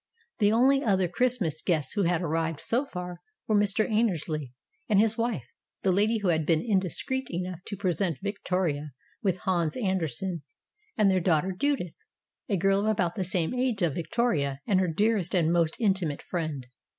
The only other Christmas guests who had arrived so far were Mr. Annersley and his wife the lady who had been indiscreet enough to present Victoria with "Hans Andersen" and their daughter Judith, a girl of about the same age of Vic toria and her dearest and most intimate friend.